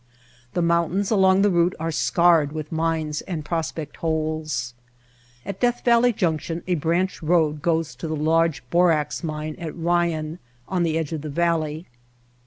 The mountains along the route are scarred with mines and prospect holes. At Death Valley Junction a branch road goes to the large borax mine at Ryan on the edge of the valley.